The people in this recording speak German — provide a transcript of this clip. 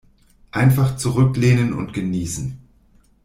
Einfach zurücklehnen und genießen.